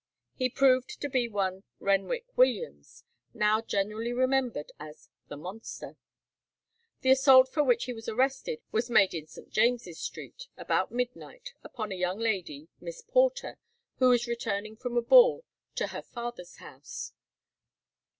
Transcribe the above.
He proved to be one Renwick Williams, now generally remembered as "the monster." The assault for which he was arrested was made in St. James's Street, about midnight, upon a young lady, Miss Porter, who was returning from a ball to her father's house.